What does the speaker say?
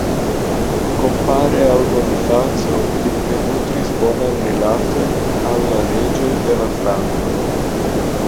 Kompare al Bonifaco, li pli nutris bonajn rilatojn al la reĝoj de la frankoj.